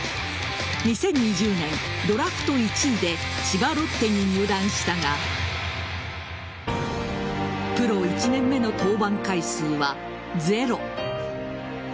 ２０２０年、ドラフト１位で千葉ロッテに入団したがプロ１年目の登板回数はゼロ。